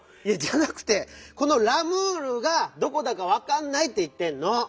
いやじゃなくてこの「ラムール」がどこだかわかんないっていってんの！